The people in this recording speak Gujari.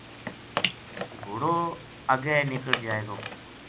گھوڑو اگے نِکڑ جائے گو